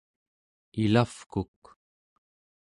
ilavkuk